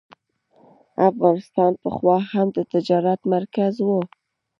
افغانستان پخوا هم د تجارت مرکز و.